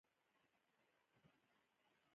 غواړي له نورو سره یې شریک کړي.